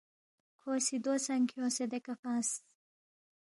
کھو سی دو سہ کھیونگسے دیکھہ فنگس